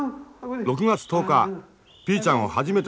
６月１０日ピーちゃんを初めて外に出した。